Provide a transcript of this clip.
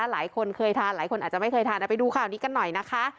หลายคนเคยทานหลายคนอาจจะไม่เคยทานไปดูข่าวนี้กันหน่อยนะคะ